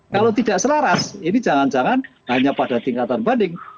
kalau tidak selaras ini jangan jangan hanya pada tingkatan banding